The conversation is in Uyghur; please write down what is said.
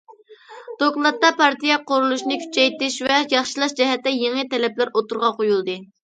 دوكلاتتا پارتىيە قۇرۇلۇشىنى كۈچەيتىش ۋە ياخشىلاش جەھەتتە يېڭى تەلەپلەر ئوتتۇرىغا قويۇلدى.